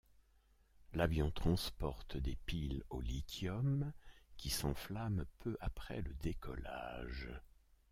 L'avion transporte des piles au lithium qui s'enflamment peu après le décollage.